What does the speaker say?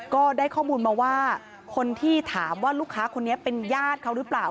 ก็ได้ข้อมูลมาว่าคนที่ถามว่าลูกค้าคนนี้เป็นญาติเขาหรือเปล่า